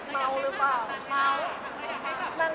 เมาหรือเปล่า